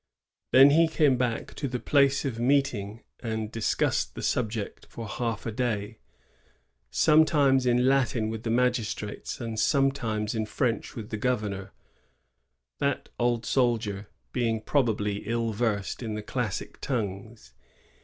Then he came back to the place of meeting and discussed the subject for half a day, — sometimes in Latin with the magis trates, and sometimes in French with the governor, that old soldier being probably ill versed in the classic 16i4.] MARIE'S MISSION. S6 tongues.